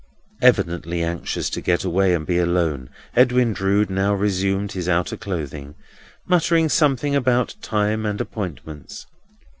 Evidently anxious to get away and be alone, Edwin Drood now resumed his outer clothing, muttering something about time and appointments.